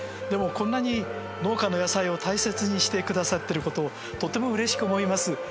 でもこんなに農家の野菜を大切にしてくださってることをとてもうれしく思います。